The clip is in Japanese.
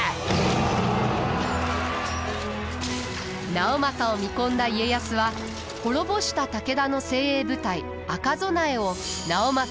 直政を見込んだ家康は滅ぼした武田の精鋭部隊赤備えを直政に預けました。